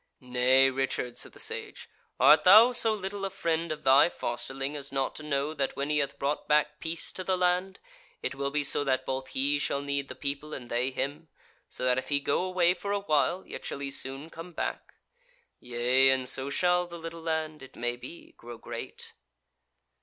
"Nay, Richard," said the Sage, "art thou so little a friend of thy fosterling as not to know that when he hath brought back peace to the land, it will be so that both he shall need the people, and they him, so that if he go away for awhile, yet shall he soon come back? Yea, and so shall the little land, it may be, grow great."